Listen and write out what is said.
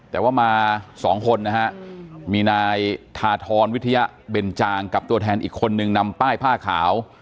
แต่ว่ามาสองคนนะฮะมีนายธาทรวิทยาเบนจางกับตัวแทนอีกคนนึงนำป้ายผ้าขาว